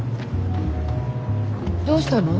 どうしたの？